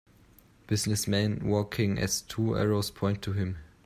Businessman walking as two arrows point to him.